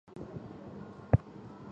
后任掌广东道监察御史。